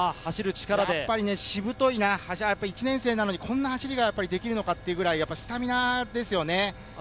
やっぱりしぶといな、１年生なのに、こんな走りができるのかというくらいスタミナがあります。